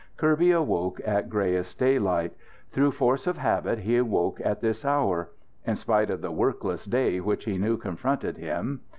Kirby awoke at greyest daylight. Through force of habit he woke at this hour; in spite of the workless day which he knew confronted him.